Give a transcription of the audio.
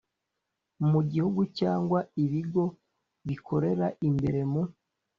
Mu gihugu cyangwa ibigo bikorera imbere mu